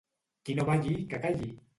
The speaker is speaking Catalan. Qui no balli, que calli!